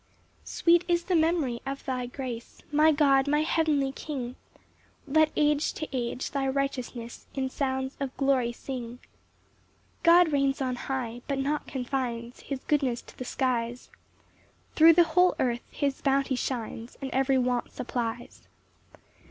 1 Sweet is the memory of thy grace, My God, my heavenly king; Let age to age thy righteousness In sounds of glory sing. 2 God reigns on high, but not confines His goodness to the skies; Thro' the whole earth his bounty shines, And every want supplies.